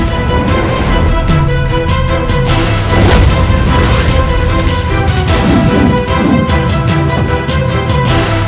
tolong lepaskan putra gue